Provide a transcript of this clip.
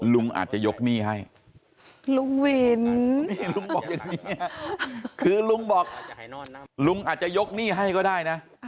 ลุงอาจจะยกหนี้ให้คือลุงบอกลุงอาจจะยกหนี้ให้ก็ได้นะ